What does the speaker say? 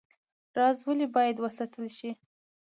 راز ولې باید وساتل شي؟